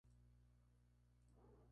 Escrita por Caridad Bravo Adams.